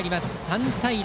３対０。